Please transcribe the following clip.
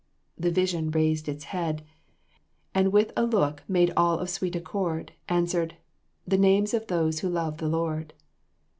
The vision raised its head, And with a look made all of sweet accord, Answered: "The names of those who love the Lord."